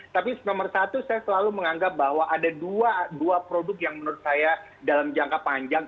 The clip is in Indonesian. tapi nomor satu saya selalu menganggap bahwa ada dua produk yang menurut saya dalam jangka panjang